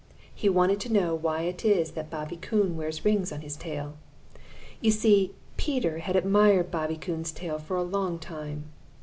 He wanted to know why it is that Bobby Coon wears rings on his tail. You see, Peter had admired Bobby Coon's tail for a long time.